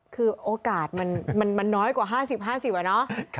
คือโอกาสมันน้อยกว่า๕๐๕๐อะเนาะ